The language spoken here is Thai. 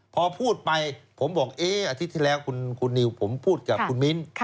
พอพูดไปผมบอกอาทิตย์ที่แล้วคุณนิวผมพูดกับคุณมิ้น